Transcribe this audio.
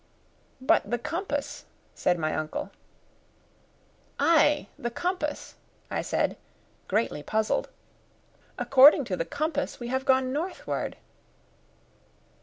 "But the compass?" said my uncle. "Ay, the compass!" I said, greatly puzzled. "According to the compass we have gone northward."